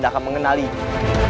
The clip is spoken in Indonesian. dia tampil dengan sosok yang lain